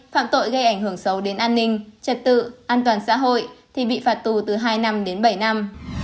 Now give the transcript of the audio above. phạm tội gây ảnh hưởng xấu đến an ninh trật tự an toàn xã hội thì bị phạt tù từ hai năm đến bảy năm